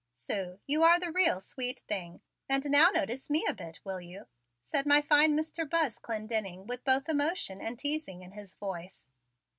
"Sue, you are the real sweet thing and now notice me a bit, will you?" said my fine Mr. Buzz Clendenning with both emotion and a teasing in his voice.